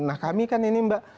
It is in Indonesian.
nah kami kan ini mbak